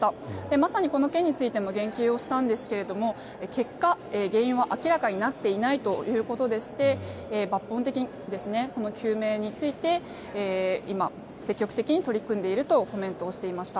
まさにこの件についても言及したんですけども結果、原因は明らかになっていないということでして抜本的に究明について今、積極的に取り組んでいるとコメントしていました。